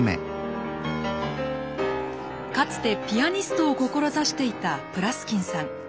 かつてピアニストを志していたプラスキンさん。